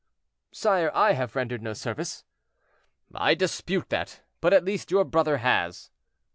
"Sire, I have rendered no service." "I dispute that; but at least your brother has."